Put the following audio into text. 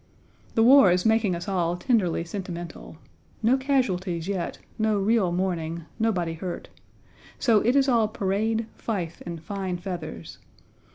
The war is making us all tenderly sentimental. No casualties yet, no real mourning, nobody hurt. So it is all parade, fife, and fine feathers.